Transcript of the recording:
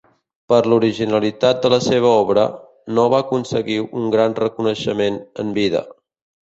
Per l'originalitat de la seva obra, no va aconseguir un gran reconeixement en vida.